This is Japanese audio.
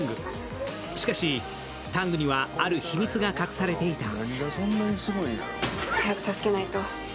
しかしＴＡＮＧにはある秘密が隠されていた。